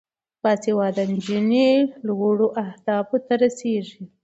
باسواده نجونې لوړو اهدافو ته رسیږي.